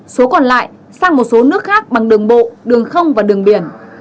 số còn lại sang một số nước khác bằng đường bộ đường không và đường biển